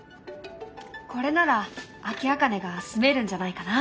これならアキアカネがすめるんじゃないかな。